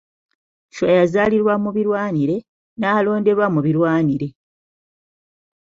Chwa yazaalirwa mu birwanire, n'alonderwa mu birwanire.